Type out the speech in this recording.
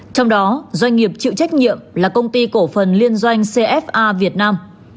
trong đó doanh nghiệp chịu trách nhiệm là công ty cổ phần liên doanh cfa việt nam